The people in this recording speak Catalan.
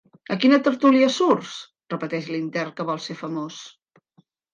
A quina tertúlia surts? —repeteix l'intern que vol ser famós.